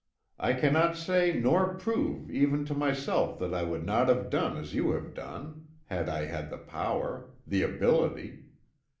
I cannot say, nor prove even to myself that I would not have done as you have done, had I had the power, the ability.